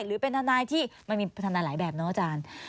หรือเป็นทนายที่มันมีพัฒนาหลายแบบเนาะอาจารย์